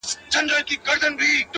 دوه زړونه د يوې ستنې له تاره راوتلي”